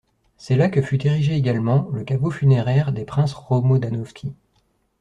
C'est là que fut érigé également le caveau funéraire des princes Romodanovsky.